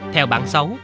theo bản xấu